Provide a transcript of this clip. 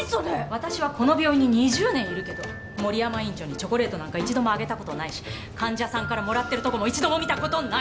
私はこの病院に２０年いるけど森山院長にチョコレートなんか一度もあげた事ないし患者さんからもらってるとこも一度も見た事ない。